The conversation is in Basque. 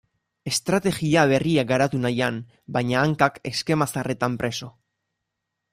Estrategia berriak garatu nahian, baina hankak eskema zaharretan preso.